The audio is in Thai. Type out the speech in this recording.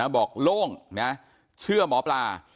บอกโล่งเชื่อหมอปลา